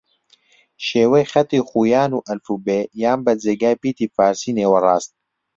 شێوەی خەتی خویان و ئەلفوبێ یان بە جێگای پیتی فارسی نێوەڕاست